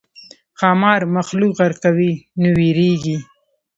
ښامار مخلوق غرقوي نو وېرېږي.